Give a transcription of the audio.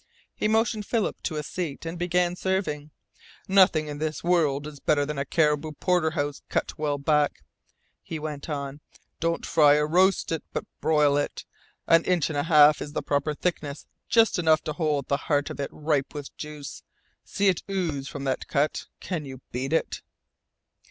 He motioned Philip to a seat, and began serving. "Nothing in the world is better than a caribou porterhouse cut well back," he went on. "Don't fry or roast it, but broil it. An inch and a half is the proper thickness, just enough to hold the heart of it ripe with juice. See it ooze from that cut! Can you beat it?"